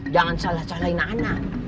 jangan salah salahin anak